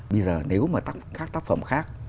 bây giờ nếu mà các tác phẩm khác